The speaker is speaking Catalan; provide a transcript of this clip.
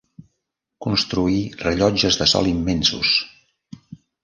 Construir rellotges de sol immensos.